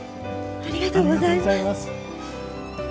ありがとうございます。